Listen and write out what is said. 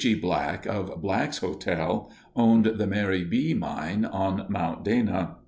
G. Black, of Black's Hotel, owned the Mary Bee Mine on Mount Dana.